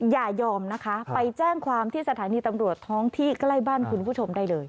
อย่ายอมนะคะไปแจ้งความที่สถานีตำรวจท้องที่ใกล้บ้านคุณผู้ชมได้เลย